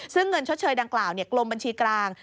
ซึ่งเงินชดเชยดังกล่าวกลมบัญชีกลาง